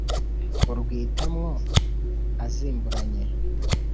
Urwita mwo azimburanye,